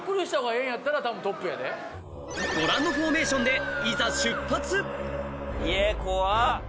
ご覧のフォーメーションでいざ出発！